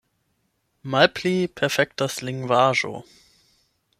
Malpli perfektas lingvaĵo.